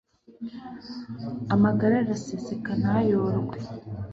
amagara araseseka ntayorwe